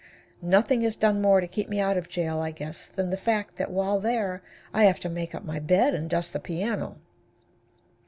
Nothing has done more to keep me out of jail, I guess, than the fact that while there I have to make up my bed and dust the piano.